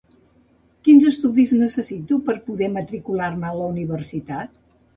Quins estudis necessito fer per poder matricular-me a la universitat?